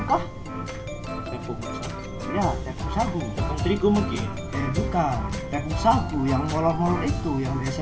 ya tepung sabu tepung terigu mungkin eh bukan tepung sabu yang molok molok itu yang biasa